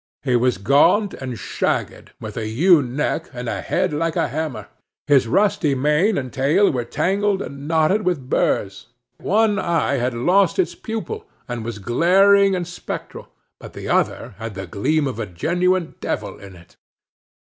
He was gaunt and shagged, with a ewe neck, and a head like a hammer; his rusty mane and tail were tangled and knotted with burs; one eye had lost its pupil, and was glaring and spectral, but the other had the gleam of a genuine devil in it.